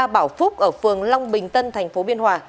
bảo phúc ở phường long bình tân thành phố biên hòa